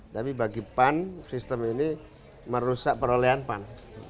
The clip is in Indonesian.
tapi bagi pan sistem ini merusak perolehan pan